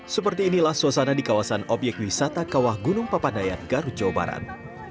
seperti inilah suasana di kawasan obyek wisata kawah gunung papandayan garut jawa barat